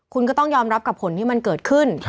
คุณก็ต้องยอมรับกับผลที่มันเกิดขึ้น